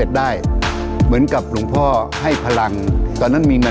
เป็นความเชื่อว่าหลวงพ่อพระนอนนั้นได้ให้กำลังใจในการที่จะสร้างสิ่งที่ดีงาม